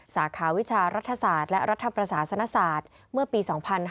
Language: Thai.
สาขาวิชารัฐศาสตร์และรัฐประศาสนศาสตร์เมื่อปี๒๕๕๙